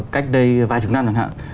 cách đây vài chục năm rồi hả